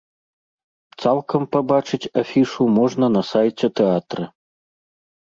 Цалкам пабачыць афішу можна на сайце тэатра.